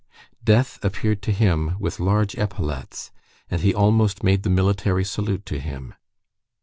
Death appeared to him with large epaulets, and he almost made the military salute to him.